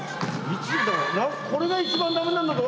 これが一番だめなんだぞ。